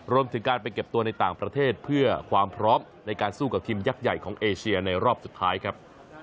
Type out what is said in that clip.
รวมถึงการไปเก็บตัวในต่างประเทศเพื่อความพร้อมในการสู้กับทีมยักษ์ใหญ่ของเอเชียในรอบสุดท้ายครับ